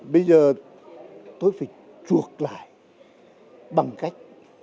bây giờ tôi phải chuộc lại bằng cách